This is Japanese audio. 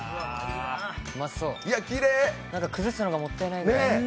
うまそう、崩すのがもったいないぐらい。